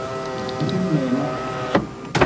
Hin niinu.